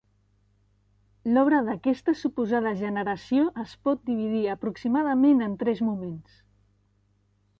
L'obra d'aquesta suposada generació es pot dividir aproximadament en tres moments.